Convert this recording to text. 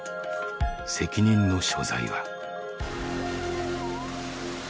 責任の所在は。